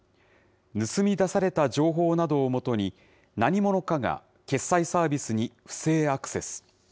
盗み出された情報などをもとに、何者かが決済サービスに不正アクセス。